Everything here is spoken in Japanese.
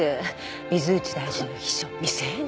「水内大臣の秘書未成年に」